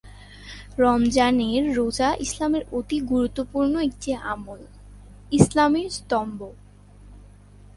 রমজানের রোজা ইসলামের অতি গুরুত্বপূর্ণ একটি আমল; ইসলামের স্তম্ভ।